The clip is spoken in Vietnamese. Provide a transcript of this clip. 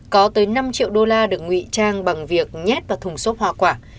có tới năm triệu đô la được ngụy trang bằng việc nhét vào thùng xốp hoa quả